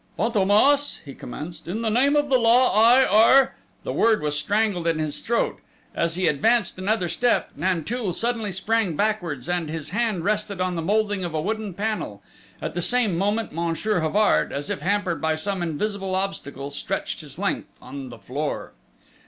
"Fantômas," he commenced, "in the name of the law I arr..." The word was strangled in his throat!... As he advanced another step, Nanteuil suddenly sprang backwards, and his hand rested on the moulding of a wooden panel.... At the same moment, Monsieur Havard, as if hampered by some invisible obstacle, stretched his length on the floor!